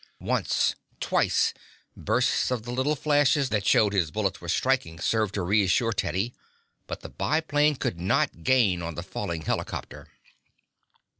Once, twice, bursts of the little flashes that showed his bullets were striking served to reassure Teddy, but the biplane could not gain on the falling helicopter.